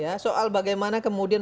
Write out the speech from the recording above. ya soal bagaimana kemudian